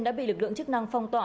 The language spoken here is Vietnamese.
đã bị lực lượng chức năng phong tỏa